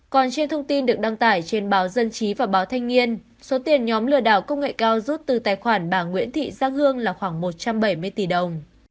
còn trên thông tin được đăng tải trên báo dân trí và báo thanh niên số tiền nhóm lừa đảo công nghệ cao rút từ tài khoản bà nguyễn thị giang hương là khoảng một trăm bảy mươi tỷ đồng